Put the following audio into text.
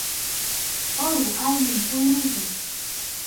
Urqu allqum puñuykan.